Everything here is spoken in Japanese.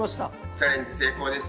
チャレンジ成功です。